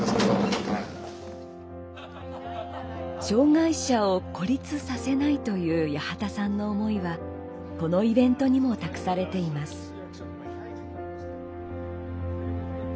障害者を孤立させないという八幡さんの思いはこのイベントにも託されています。